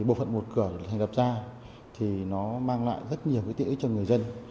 bộ phận một cửa được thành lập ra thì nó mang lại rất nhiều cái tiễu cho người dân